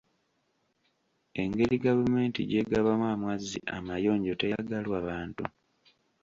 Engeri gavumenti gy'egabamu amazzi amayonjo teyagalwa bantu.